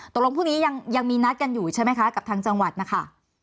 พรุ่งนี้ยังมีนัดกันอยู่ใช่ไหมคะกับทางจังหวัดนะคะ